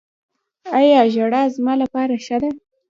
ایا ژړا زما لپاره ښه ده؟